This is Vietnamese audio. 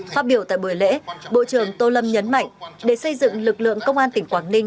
phát biểu tại buổi lễ bộ trưởng tô lâm nhấn mạnh để xây dựng lực lượng công an tỉnh quảng ninh